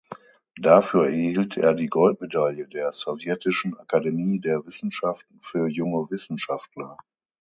Dafür erhielt er die Goldmedaille der Sowjetischen Akademie der Wissenschaften für junge Wissenschaftler.